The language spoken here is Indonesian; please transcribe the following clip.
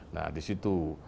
nah di situ